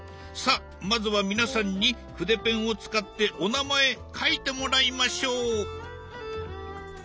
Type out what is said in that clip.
さあまずは皆さんに筆ペンを使ってお名前書いてもらいましょう。